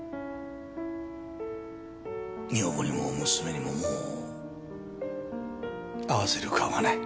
女房にも娘にももう合わせる顔がない。